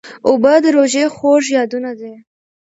اوبه د روژې خوږ یادونه ده.